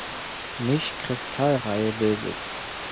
Mischkristallreihe bildet.